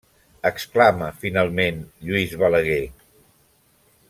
Exclama, finalment, Lluís Balaguer.